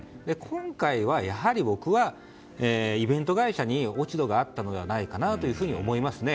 今回は、やはり僕はイベント会社に落ち度があったのではないかと思いますね。